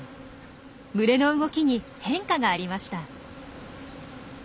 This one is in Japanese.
群れの動きに変化がありました。